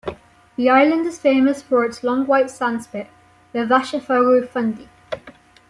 The island is famous for its long white sand spit- the "Vashafaru-thundi".